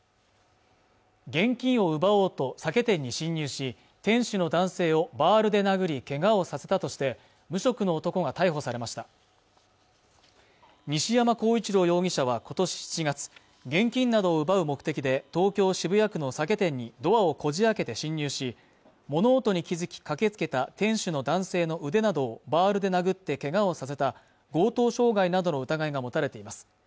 現金を奪おうと酒店に侵入し店主の男性をバールで殴りけがをさせたとして無職の男が逮捕されました西山幸一郎容疑者は今年７月現金などを奪う目的で東京・渋谷区の酒店にドアをこじ開けて侵入し物音に気づき駆けつけた店主の男性の腕などをバールで殴ってけがをさせた強盗傷害などの疑いが持たれています